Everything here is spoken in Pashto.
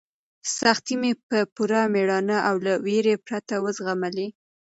سختۍ مې په پوره مېړانه او له وېرې پرته وزغملې.